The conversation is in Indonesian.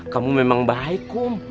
kamu memang baik kum